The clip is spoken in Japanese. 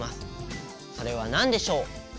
それはなんでしょう？